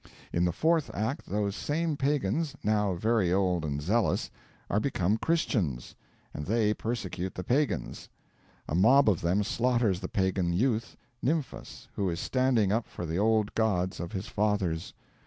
In the fourth act those same pagans now very old and zealous are become Christians, and they persecute the pagans; a mob of them slaughters the pagan youth, Nymphas, who is standing up for the old gods of his fathers.